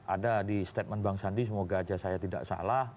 ada di statement bang sandi semoga aja saya tidak salah